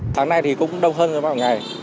tháng nay thì cũng đông hơn rồi mọi ngày